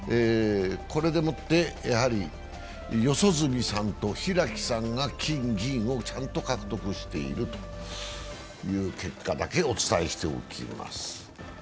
これでもって四十住さんと開さんが金銀をちゃんと獲得しているという結果だけお伝えしておきます。